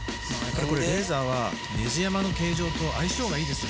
レーザーはネジ山の形状と相性がいいですね